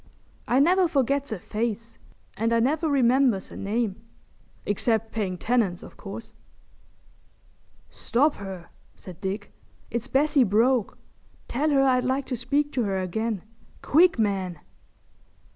I never forgets a face and I never remembers a name, except paying tenants, o' course!" "Stop her," said Dick. "It's Bessie Broke. Tell her I'd like to speak to her again. Quick, man!"